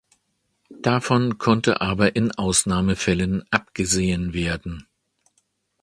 Davon konnte aber in Ausnahmefällen abgesehen werden.